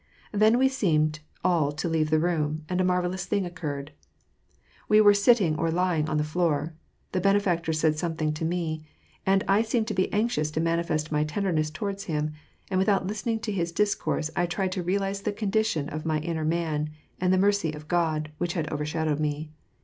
Then we seemed all to leave the room, and a marvellous thing occurred. We were sitting or lying on the floor. The Benefactor said something to me. And I seemed to oe anxious to manifest my tenderness toward him, and without listening to his discourse, I tried to realize the condition of my inner man, and the mercy of God, which had overshadoa*ed me.